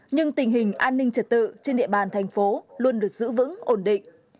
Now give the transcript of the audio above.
nhưng tình hình an ninh trật tự trên địa bàn thành phố luôn được giữ vững ổn định